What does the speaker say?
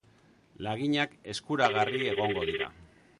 Laginak eskuragarri egongo dira.